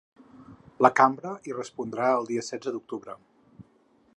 La cambra hi respondrà el dia setze d’octubre.